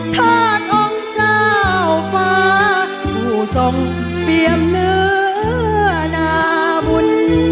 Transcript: ธาตุองค์เจ้าฟ้าผู้ทรงเปรียมเนื้อนาบุญ